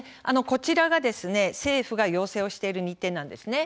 こちらが政府が要請している日程なんです。